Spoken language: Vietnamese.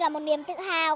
là một niềm tự hào